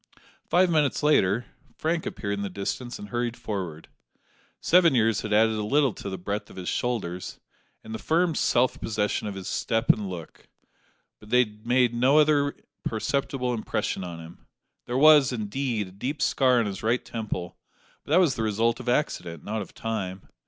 Five minutes later, Frank appeared in the distance and hurried forward. Seven years had added a little to the breadth of his shoulders, and the firm self possession of his step and look; but they had made no other perceptible impression on him. There was, indeed, a deep scar on his right temple; but that was the result of accident, not of time.